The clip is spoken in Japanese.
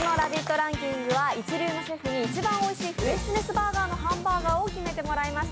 ランキングは一流のシェフに一番おいしいフレッシュネスバーガーのハンバーガーを決めてもらいました。